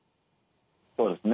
そうですね。